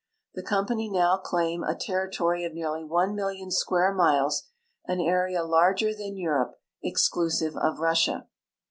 The com pany now claim a territoiy of nearly one million square miles, an area larger than Europe exclusive of Russia.